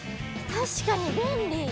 確かに便利。